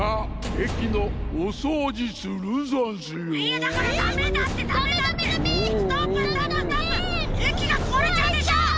えきがこわれちゃうでしょ。